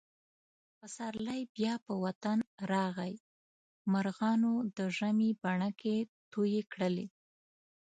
پسرلی بیا په وطن راغی. مرغانو د ژمي بڼکې تویې کړلې.